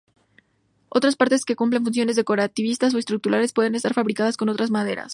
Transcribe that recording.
Otras partes, que cumplen funciones decorativas o estructurales pueden estar fabricadas con otras maderas.